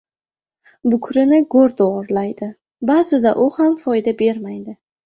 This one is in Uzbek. • Bukrini go‘r to‘g‘rilaydi, ba’zida u ham foyda bermaydi.